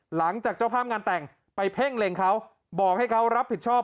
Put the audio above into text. หลังจากเจ้าภาพงานแต่งไปเพ่งเล็งเขาบอกให้เขารับผิดชอบ